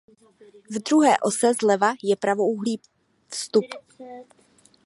V druhé ose zleva je pravoúhlý vstup.